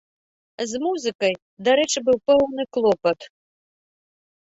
З музыкай, дарэчы, быў пэўны клопат.